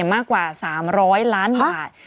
มากกว่า๓๐๐ล้านบาท